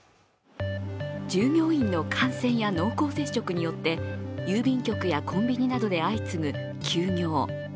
従業員の感染や濃厚接触によって郵便局やコンビニなどで相次ぐ休業。